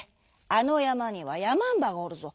あのやまにはやまんばがおるぞ。